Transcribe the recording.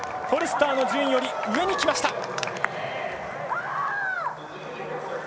フォルスターの順位より上に来ました。